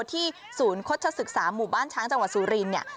ที่ศูนย์คตชศึกษามุบันช้างจังหวัดสุรินเนี่ย